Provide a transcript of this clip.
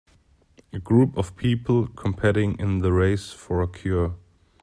A group of people competing in the Race for a Cure.